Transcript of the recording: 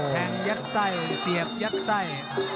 แทงยักษ์ไส้เสียบยักษ์ไส้